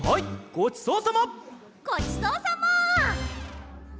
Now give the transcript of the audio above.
ごちそうさま。